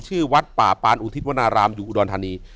วัดป่าปานอุทิศวนารามอยู่อุดรธานี